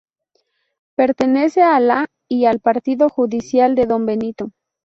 Pertenece a la y al Partido judicial de Don Benito.